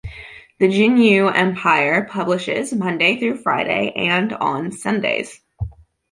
The Juneau Empire publishes Monday through Friday, and on Sundays.